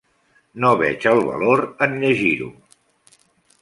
No veig el valor en llegir-ho.